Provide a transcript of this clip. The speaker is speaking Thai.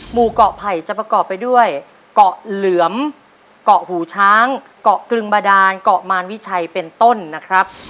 หมู่เกาะไผ่จะประกอบไปด้วยเกาะเหลือมเกาะหูช้างเกาะกรึงบาดานเกาะมารวิชัยเป็นต้นนะครับ